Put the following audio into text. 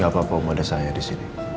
gak apa apa um ada sayangnya disini